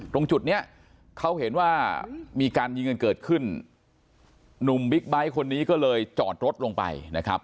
ตรงจุดเนี้ยเขาเห็นว่ามีการยิงกันเกิดขึ้นหนุ่มบิ๊กไบท์คนนี้ก็เลยจอดรถลงไปนะครับ